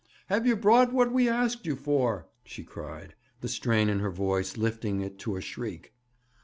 'Have you brought what we asked you for?' she cried, the strain in her voice lifting it to a shriek.